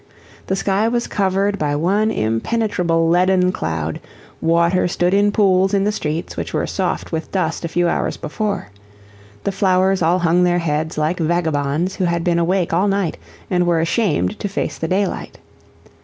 The sky was covered by one impenetrable leaden cloud, water stood in pools in the streets which were soft with dust a few hours before; the flowers all hung their heads like vagabonds who had been awake all night and were ashamed to face the daylight.